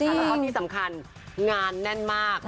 แล้วก็ที่สำคัญงานแน่นมาก